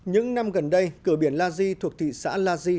những năm gần đây cửa biển la di thuộc thị xã la di